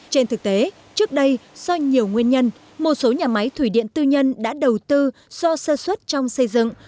trên thực tế trước đây do nhiều nguyên nhân một số nhà máy thủy điện tư nhân đã đầu tư do sơ xuất trong xây dựng